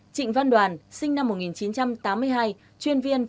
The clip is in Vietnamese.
hai trịnh văn đoàn sinh năm một nghìn chín trăm tám mươi hai chuyên viên